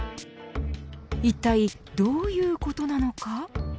いったいどういうことなのか。